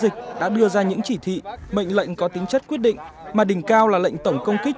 các tính chất quyết định mà đỉnh cao là lệnh tổng công kích